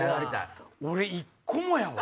俺１個もやわ。